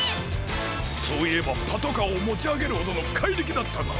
そういえばパトカーをもちあげるほどのかいりきだったな。